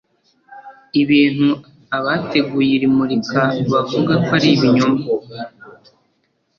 ibintu abateguye iri murika bavuga ko ari ibinyoma